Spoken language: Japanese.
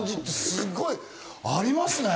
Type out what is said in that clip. すごいありますね。